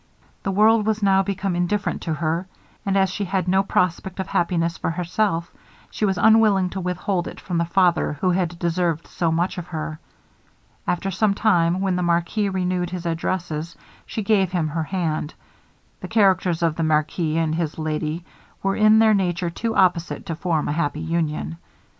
The world was now become indifferent to her, and as she had no prospect of happiness for herself, she was unwilling to withhold it from the father who had deserved so much of her. After some time, when the marquis renewed his addresses, she gave him her hand. The characters of the marquis and his lady were in their nature too opposite to form a happy union.